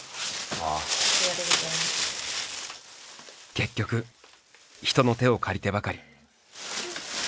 結局人の手を借りてばかり。